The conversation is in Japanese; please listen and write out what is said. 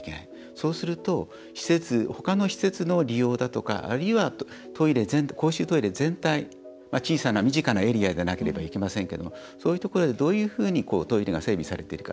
そうすると他の施設の利用だとかあるいは公衆トイレ全体小さな身近なエリアでなければいけませんけれどもそういうところでどういうふうにトイレが整備されているか。